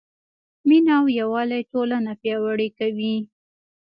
مینه او یووالی ټولنه پیاوړې کوي.